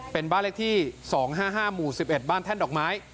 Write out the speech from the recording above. เป็นบ้านเลขที่๒๕๕หมู่๑๑บ้านแท่นดอกไม้